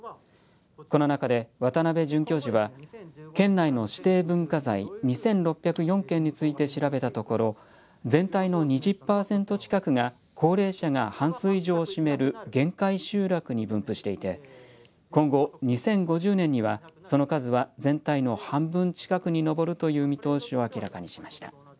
この中で渡邉准教授は県内の指定文化財２６０４件について調べたところ全体の２０パーセント近くが高齢者が半数以上を占める限界集落に分布していて今後、２０５０年にはその数は全体の半分近くに上るという見通しを明らかにしました。